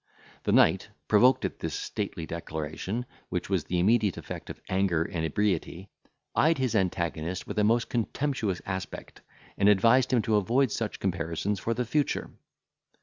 The knight, provoked at this stately declaration, which was the immediate effect of anger and ebriety, eyed his antagonist with a most contemptuous aspect, and advised him to avoid such comparisons for the future.